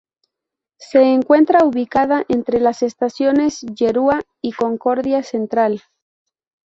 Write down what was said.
Se encuentra ubicada entre las estaciones Yeruá y Concordia Central.